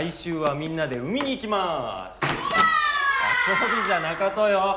遊びじゃなかとよ。